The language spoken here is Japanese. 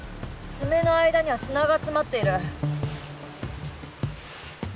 爪の間には砂が詰まっている。